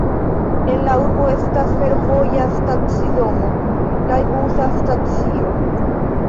En la urbo estas fervoja stacidomo kaj busa stacio.